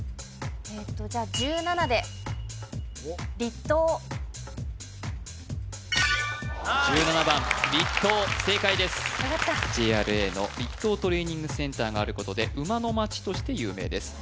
えとじゃ１７番りっとう正解ですよかったＪＲＡの栗東トレーニングセンターがあることで馬の町として有名です